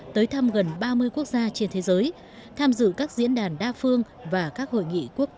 tới thăm gần ba mươi quốc gia trên thế giới tham dự các diễn đàn đa phương và các hội nghị quốc tế